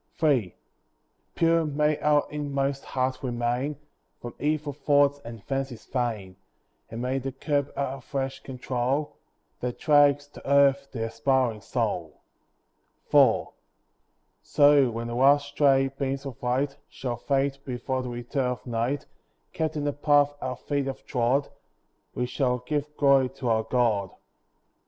III Pure may our inmost heart remain From evil thoughts and fancies vain; And may the curb our flesh control, That drags to earth the aspiring soul. IV So, when the last stray beams of light Shall fade before the return of night, Kept in the path our feet have trod, We shall give glory to our God.